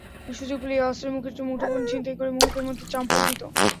সুযোগ পেলেই অস্ত্রের মুখে মুঠোফোন ছিনতাই করে মুহূর্তের মধ্যে চম্পট দিত।